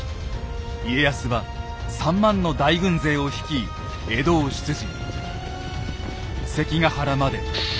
家康は３万の大軍勢を率い江戸を出陣。